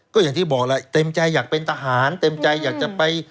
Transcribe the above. ก็อย่างที่บอกแหละเต็มใจอยากเป็นทหารเต็มใจอยากจะไป